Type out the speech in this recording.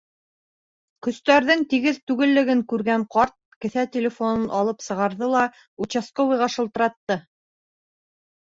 Көстәрҙең тигеҙ түгеллеген күргән ҡарт кеҫә телефонын сығарҙы ла участковыйға шылтыратты.